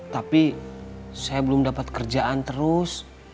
tapi saya belum dapat kerjaan terus